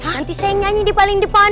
nanti saya nyanyi di paling depan